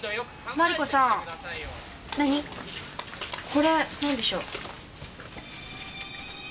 これなんでしょう？